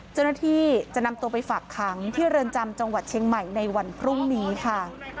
เจ้าหน้าที่จะนำตัวไปฝากขังที่เรือนจำจังหวัดเชียงใหม่ในวันพรุ่งนี้ค่ะ